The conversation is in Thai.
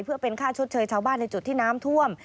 เพื่อเป็นค่าชดเชยชาวบ้านในจุดที่น้ำท่วม